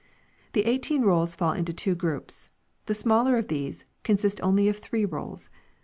The eighteen rolls fall into two groups. The smaller of these, consists of only three rolls.